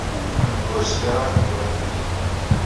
Ur zmireɣ ad dduɣ yid-k.